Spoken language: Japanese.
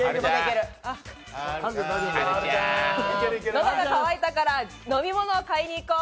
喉が渇いたから飲み物を買いに行こう。